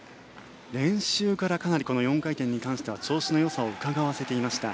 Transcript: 練習からかなり４回転に関しては調子のよさをうかがわせていました。